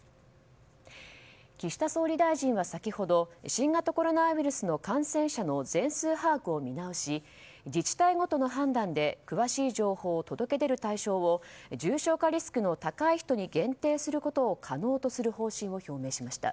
岸田総理大臣は先ほど新型コロナウイルスの感染者の全数把握を見直し自治体ごとの判断で詳しい情報を届け出る対象を重症化リスクの高い人に限定することを可能とする方針を表明しました。